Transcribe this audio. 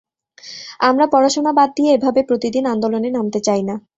আমরা পড়াশোনা বাদ দিয়ে এভাবে প্রতিদিন আন্দোলনে নামতে চাই না।